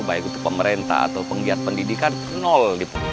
baik itu pemerintah atau penggiat pendidikan nol